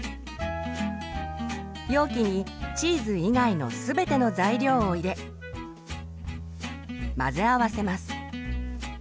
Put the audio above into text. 容器にチーズ以外の全ての材料を入れ混ぜ合わせます。